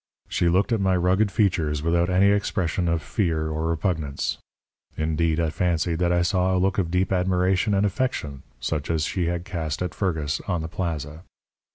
She looked at my rugged features without any expression of fear or repugnance. Indeed, I fancied that I saw a look of deep admiration and affection, such as she had cast at Fergus on the plaza.